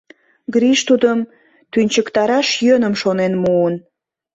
Гриш тудым тӱнчыктараш йӧным шонен муын.